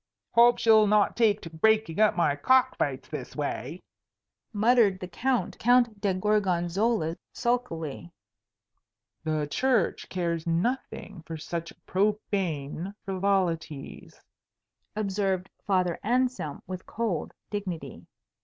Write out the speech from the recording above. "Hope she'll not take to breaking up my cock fights this way," muttered the Count de Gorgonzola, sulkily. "The Church cares nothing for such profane frivolities," observed Father Anselm with cold dignity.